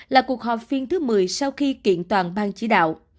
là cuộc họp phiên thứ một mươi sau khi kiện toàn ban chỉ đạo